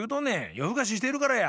よふかししてるからや。